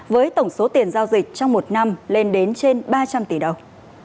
với tổng số tiền giao dịch trong một năm lên đến trên ba trăm linh tỷ đồng